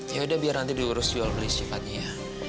yaudah biar nanti diurus jual beli secepatnya ya